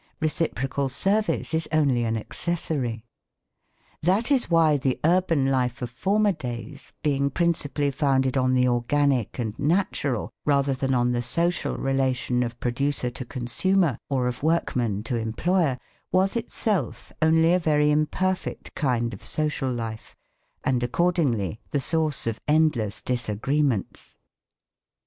Reciprocal service is only an accessory. That is why the urban life of former days being principally founded on the organic and natural, rather than on the social relation of producer to consumer, or of workman to employer, was itself only a very imperfect kind of social life, and accordingly the source of endless disagreements.